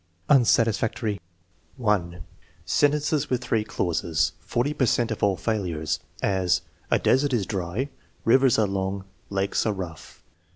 Unsatisfactory: (1) Sentences with three clauses (40 per cent of all failures); as: "A desert is dry, rivers are long, lakes are rough."